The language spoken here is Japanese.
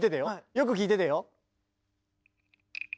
よく聴いててよ。